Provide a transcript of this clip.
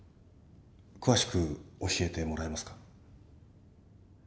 詳しく教えてもらえますか？